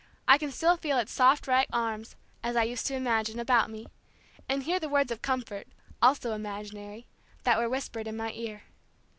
I can still feel it's soft rag arms (as I used to imagine) about me, and hear the words of comfort (also imaginary) that were whispered in my ear.